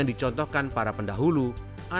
nossos komentar sebanyak apa